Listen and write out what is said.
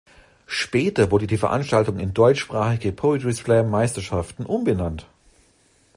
Später wurde die Veranstaltung in "Deutschsprachige Poetry-Slam-Meisterschaften" umbenannt.